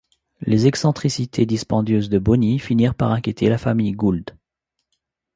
Les excentricités dispendieuses de Boni finirent par inquiéter la famille Gould.